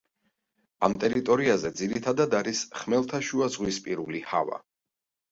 ამ ტერიტორიაზე ძირითადად არის ხმელთაშუაზღვისპირული ჰავა.